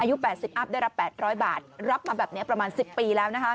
อายุแปดสิบอัพได้รับแปดร้อยบาทรับมาแบบเนี้ยประมาณสิบปีแล้วนะฮะ